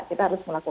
kita harus melakukan